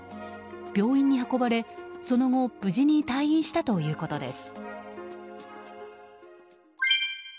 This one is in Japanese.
病院に運ばれ、その後無事に退院したということです。